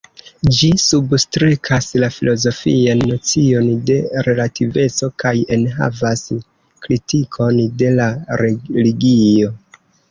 Ĝi substrekas la filozofian nocion de relativeco kaj enhavas kritikon de la religio.